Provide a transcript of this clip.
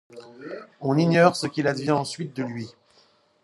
On ignore ce qu'il advient ensuite de lui.